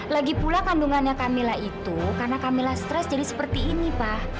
lagipula kandungannya kamilah itu karena kamilah stres jadi seperti ini pa